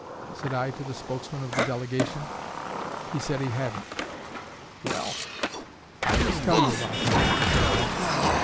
said I to the spokesman of the delegation. He said he hadn't. 'Well, I must tell you about him,' said I.